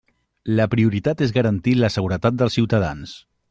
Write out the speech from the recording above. La prioritat és garantir la seguretat dels ciutadans.